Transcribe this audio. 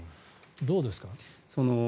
どうですか。